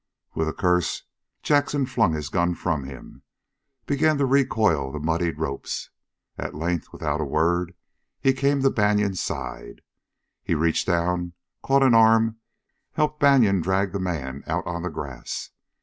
With a curse Jackson flung his gun from him, began to recoil the muddied ropes. At length, without a word, he came to Banion's side. He reached down, caught an arm and helped Banion drag the man out on the grass.